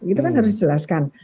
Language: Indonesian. itu kan harus dijelaskan